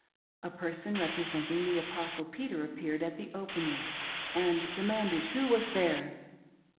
A person representing the Apostle Peter appeared at the opening and demanded who was there.